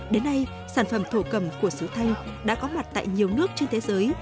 đến nay sản phẩm thổ cầm của sứ thanh đã có mặt tại nhiều nước trên thế giới